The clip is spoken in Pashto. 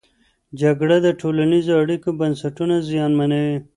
جګړه د ټولنیزو اړیکو بنسټونه زیانمنوي.